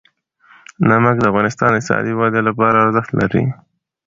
نمک د افغانستان د اقتصادي ودې لپاره ارزښت لري.